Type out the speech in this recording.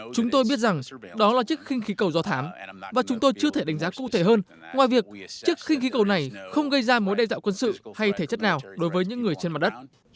chúng tôi biết rằng đó là chiếc khinh khí cầu do thám và chúng tôi chưa thể đánh giá cụ thể hơn ngoài việc chiếc khinh khí cầu này không gây ra mối đe dọa quân sự hay thể chất nào đối với những người trên mặt đất